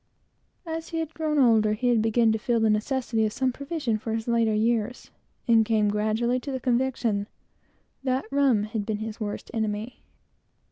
As he grew older, he began to feel the necessity of some provision for his later years, and came gradually to the conviction that rum had been his worst enemy.